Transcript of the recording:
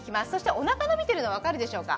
おなかが伸びているのが分かるでしょうか。